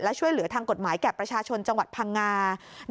และช่วยเหลือทางกฎหมายแก่ประชาชนจังหวัดพังงา